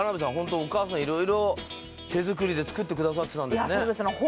ホントお母さんいろいろ手作りで作ってくださってたんですね